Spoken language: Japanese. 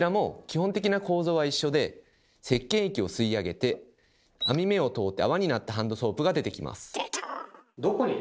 こちらもせっけん液を吸い上げて網目を通って泡になったハンドソープが出てきます。